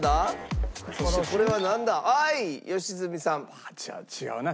まあじゃあ違うな。